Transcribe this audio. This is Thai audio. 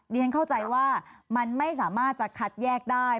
เรียนเข้าใจว่ามันไม่สามารถจะคัดแยกได้